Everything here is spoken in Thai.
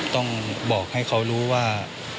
ต้องบอกให้เขารู้ว่า